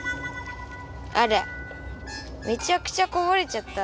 あらめちゃくちゃこぼれちゃった。